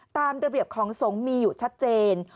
ตามระเบียบของสงฆ์มีอยู่ชัดเจน